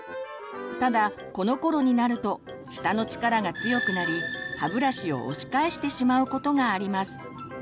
ただこのころになると舌の力が強くなり歯ブラシを押し返してしまうことがあります。